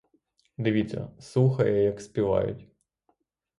Дивіться: слухає, як співають.